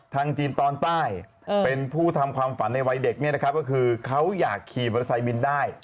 จีนตอนใต้เป็นผู้ทำความฝันในวัยเด็กก็คือเขาอยากขี่มอเตอร์ไซค์บินได้